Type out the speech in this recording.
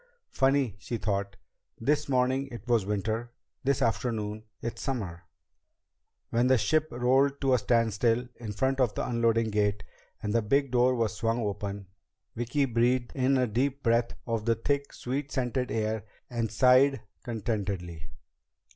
Funny, she thought, this morning it was winter, this afternoon it's summer. When the ship rolled to a standstill in front of the unloading gate and the big door was swung open, Vicki breathed in a deep breath of the thick, sweet scented air and sighed contentedly.